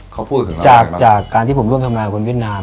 เขาพูดถึงเรามันไงบ้างจากการที่ผมร่วมทำรายกับคนเวียดนาม